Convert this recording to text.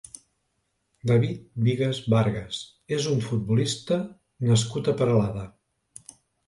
David Bigas Vargas és un futbolista nascut a Peralada.